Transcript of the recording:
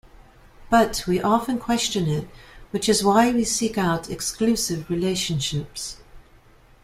But we often question it, which is why we seek out exclusive relationships.